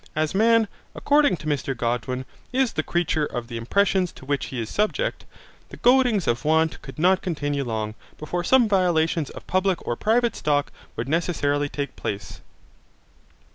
As man, according to Mr Godwin, is the creature of the impressions to which he is subject, the goadings of want could not continue long, before some violations of public or private stock would necessarily take place.